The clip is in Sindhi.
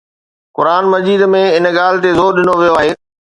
قرآن مجيد ۾ ان ڳالهه تي زور ڏنو ويو آهي